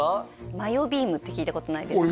マヨビームって聞いたことないですか？